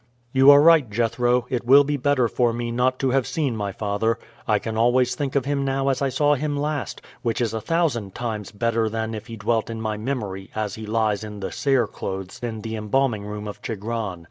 "You are right, Jethro, it will be better for me not to have seen my father; I can always think of him now as I saw him last, which is a thousand times better than if he dwelt in my memory as he lies in the cere clothes in the embalming room of Chigron.